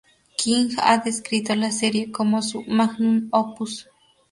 King ha descrito la serie como su "magnum opus".